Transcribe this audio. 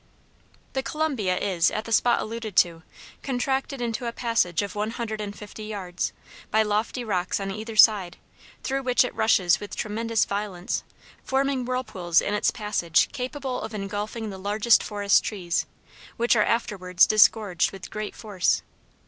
The Columbia is, at the spot alluded to, contracted into a passage of one hundred and fifty yards, by lofty rocks on either side, through which it rushes with tremendous violence, forming whirlpools in its passage capable of engulphing the largest forest trees, which are afterwards disgorged with great force.